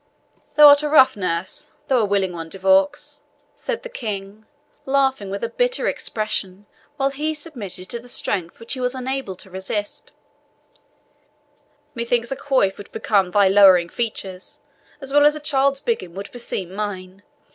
"Thou art a rough nurse, though a willing one, De Vaux," said the King, laughing with a bitter expression, while he submitted to the strength which he was unable to resist; "methinks a coif would become thy lowering features as well as a child's biggin would beseem mine.